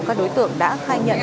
các đối tượng đã khai nhận